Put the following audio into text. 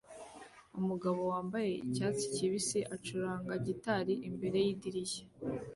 Umugabo wambaye icyatsi kibisi acuranga gitari imbere yidirishya